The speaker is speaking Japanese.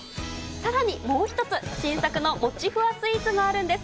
さらにもう一つ、新作のもちふわスイーツがあるんです。